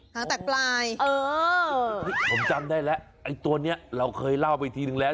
ตั้งแต่ปลายเออผมจำได้แล้วไอ้ตัวนี้เราเคยเล่าไปทีนึงแล้ว